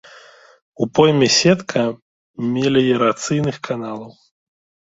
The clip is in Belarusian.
У пойме сетка меліярацыйных каналаў.